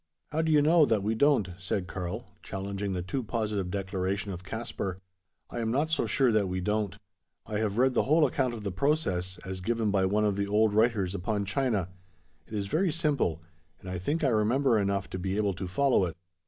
"How do you know that we don't?" said Karl, challenging the too positive declaration of Caspar. "I am not so sure that we don't. I have read the whole account of the process, as given by one of the old writers upon China. It is very simple; and I think I remember enough to be able to follow it.